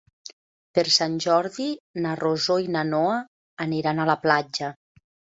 Per Sant Jordi na Rosó i na Noa aniran a la platja.